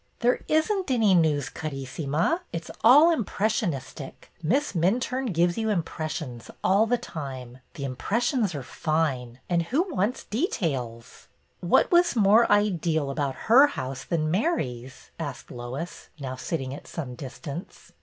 There is n't any news, Carissima. It 's all impressionistic. Miss Minturne gives you im pressions all the time. The impressions are fine, and who wants details ?" What was more ideal about her house MISS MINTURNE 283 than Mary's ?" asked Lois, now sitting at some distance.